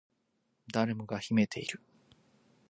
誰もが秘めている